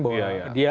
bahwa dia lah